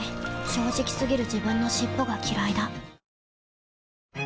正直過ぎる自分の尻尾がきらいだ